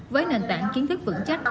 với nền tảng kiến thức vững chắc